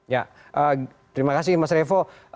ya terima kasih mas revo